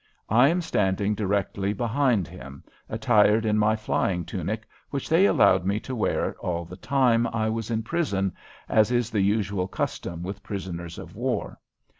I am standing directly behind him, attired in my flying tunic, which they allowed me to wear all the time I was in prison, as is the usual custom with prisoners of war.